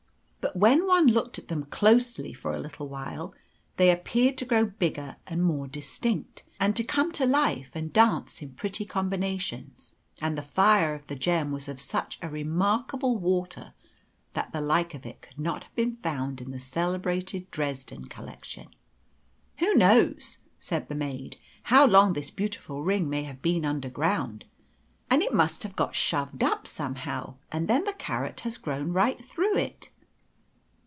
But when one looked at them closely for a little while they appeared to grow bigger and more distinct, and to come to life, and dance in pretty combinations. And the fire of the gem was of such a remarkable water that the like of it could not have been found in the celebrated Dresden collection. "Who knows," said the maid, "how long this beautiful ring may have been underground? And it must have got shoved up somehow, and then the carrot has grown right through it."